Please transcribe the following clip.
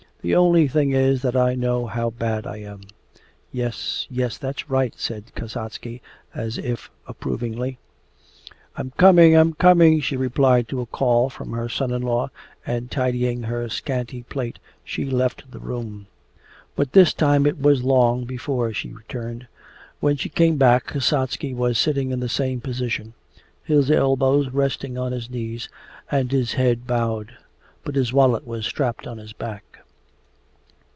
The only thing is that I know how bad I am...' 'Yes, yes, that's right!' said Kasatsky, as if approvingly. 'I'm coming! I'm coming!' she replied to a call from her son in law, and tidying her scanty plait she left the room. But this time it was long before she returned. When she came back, Kasatsky was sitting in the same position, his elbows resting on his knees and his head bowed. But his wallet was strapped on his back.